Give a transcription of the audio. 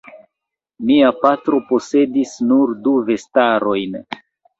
Mia patro posedis nur du vestarojn.